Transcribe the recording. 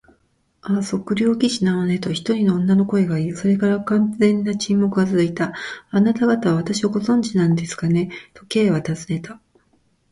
「ああ、測量技師なのね」と、一人の女の声がいい、それから完全な沈黙がつづいた。「あなたがたは私をご存じなんですね？」と、Ｋ はたずねた。